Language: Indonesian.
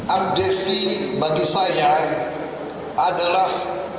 abdesi bagi saya adalah